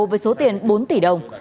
với số tiền bốn tỷ đồng